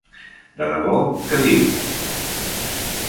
De debò, què diu?